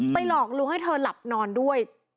หลอกลุงให้เธอหลับนอนด้วย